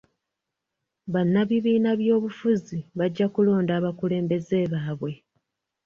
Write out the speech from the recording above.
Bannabibiina by'obufuzi bajja kulonda abakulembeze baabwe.